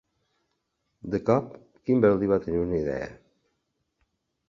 De cop, Kimberly va tenir una idea.